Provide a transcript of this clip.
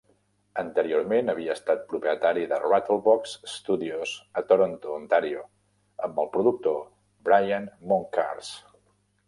Anteriorment, havia estat el propietari de Rattlebox Studios a Toronto, Ontàrio, amb el productor Brian Moncarz.